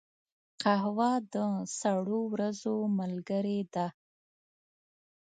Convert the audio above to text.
قهوه د سړو ورځو ملګرې ده